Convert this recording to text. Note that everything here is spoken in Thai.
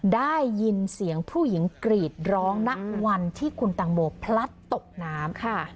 ได้ยินเสียงผู้หญิงกรีดร้องณวันที่คุณตังโมพลัดตกน้ำค่ะ